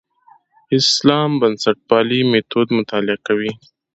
اسلام بنسټپالنې میتود مطالعه کوي.